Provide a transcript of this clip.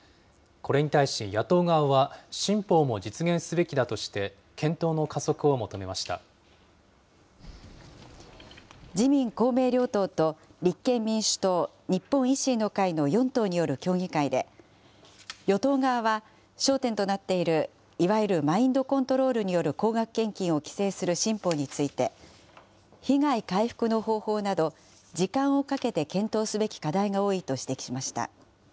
これに対し、野党側は、新法も実現すべきだとして検討の加速自民、公明両党と立憲民主党、日本維新の会の４党による協議会で、与党側は焦点となっている、いわゆるマインドコントロールによる高額献金を規制する新法について、被害回復の方法など、時間をかけて検討すべき課題が多いと指摘しました。